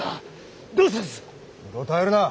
うろたえるな！